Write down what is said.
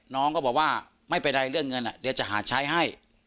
น้องก็บอกว่าไม่เป็นไรเรื่องเงินเดี๋ยวจะหาใช้ให้